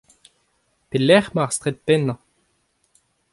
Pelec'h emañ ar straed pennañ ?